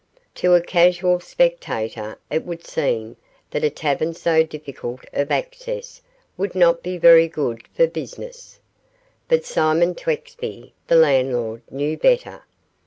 To a casual spectator it would seem that a tavern so difficult of access would not be very good for business, but Simon Twexby, the landlord, knew better.